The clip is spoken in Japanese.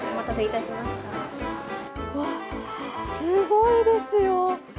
わ、すごいですよ